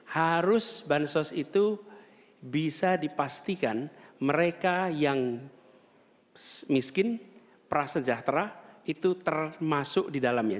harus bansos itu bisa dipastikan mereka yang miskin prasejahtera itu termasuk di dalamnya